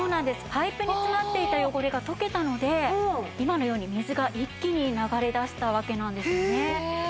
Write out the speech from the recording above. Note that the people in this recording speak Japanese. パイプに詰まっていた汚れが溶けたので今のように水が一気に流れ出したわけなんですよね。